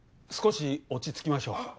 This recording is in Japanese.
少し落ち着きましょう。